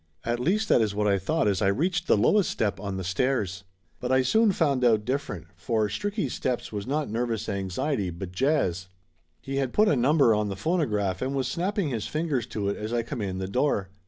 At least that is what I thought as I reached the lowest step on the stairs. But I soon found out different, for Stricky's steps was not nervous Laughter Limited 251 anxiety, but jazz. He had put a number on the phono graph and was snapping his fingers to it as I come in the door.